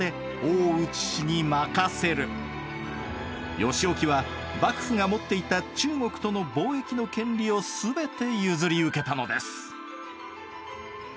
義興は幕府が持っていた中国との貿易の権利を全て譲り受けたのです。